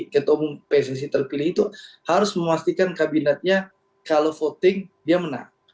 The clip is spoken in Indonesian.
ketua umum pssi terpilih itu harus memastikan kabinetnya kalau voting dia menang